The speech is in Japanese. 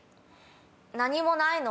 何もないの。